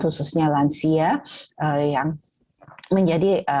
khususnya lansia yang menjadi tahapan kecepatan